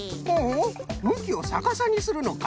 むきをさかさにするのか。